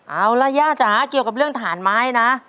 เอาล่ะย่าจ๋าเกี่ยวกับเรื่องฐานไม้นะ